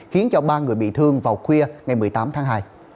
khiến cho ba người bị thương vào khuya ngày một mươi tám tháng hai